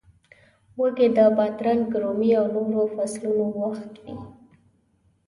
وږی د بادرنګ، رومي او نورو فصلونو وخت وي.